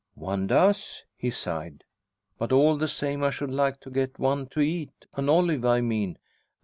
"One does," he sighed. "But all the same I should like to get one to eat an olive, I mean."